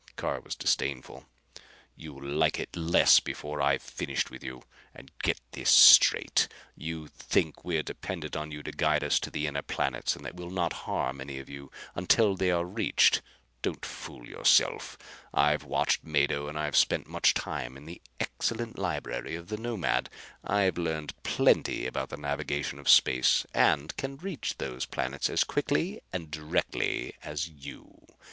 Carr was disdainful. "You'll like it less before I've finished with you. And get this straight. You think we're dependent on you to guide us to the inner planets, and that we'll not harm any of you until they are reached. Don't fool yourself! I've watched Mado and I've spent much time in the excellent library of the Nomad. I've learned plenty about the navigation of space and can reach those planets as quickly and directly as you.